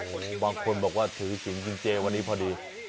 โหบางคนบอกว่าถือหินจริงเจ๊วันนี้พอดี